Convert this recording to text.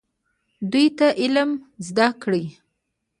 دوی ته علم زده کړئ